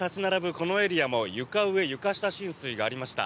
このエリアも床上・床下浸水がありました。